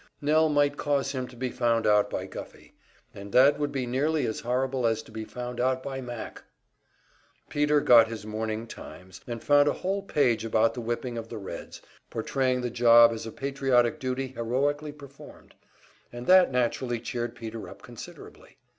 Nell might cause him to be found out by Guffey; and that would be nearly as horrible as to be found out by Mac! Peter got his morning "Times," and found a whole page about the whipping of the Reds, portraying the job as a patriotic duty heroically performed; and that naturally cheered Peter up considerably.